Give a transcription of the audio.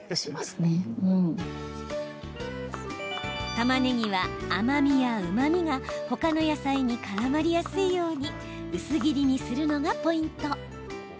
たまねぎは、甘みやうまみが他の野菜にからまりやすいように薄切りにするのがポイント。